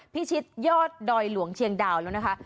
พิชิตยอดดอยหลวงเชียงดาวแล้วนะคะ